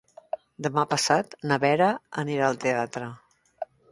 Demà passat na Vera anirà al teatre.